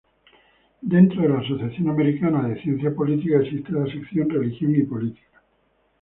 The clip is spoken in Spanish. Dentro de la Asociación Americana de Ciencia Política existe la sección "Religión y Política".